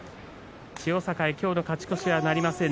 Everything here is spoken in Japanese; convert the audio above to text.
千代栄、今日の勝ち越しはなりません。